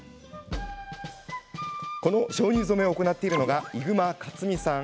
この鍾乳染めを行っているのは伊熊克美さん。